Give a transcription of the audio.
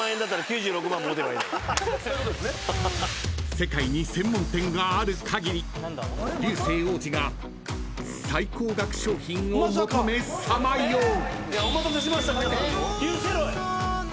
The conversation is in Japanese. ［世界に専門店がある限り流星王子が最高額商品を求めさまよう］